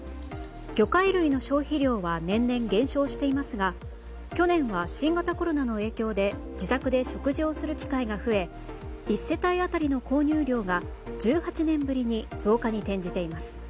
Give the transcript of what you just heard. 魚介類の消費量は年々、減少していますが去年は新型コロナの影響で自宅で食事をする機会が増え１世帯当たりの購入量が１８年ぶりに増加に転じています。